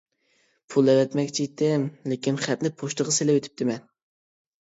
پۇل ئەۋەتمەكچىدىم، لېكىن خەتنى پوچتىغا سېلىۋېتىپتىمەن.